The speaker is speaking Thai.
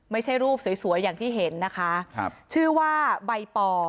ไม่ใช่รูปสวยสวยอย่างที่เห็นนะคะครับชื่อว่าใบปอ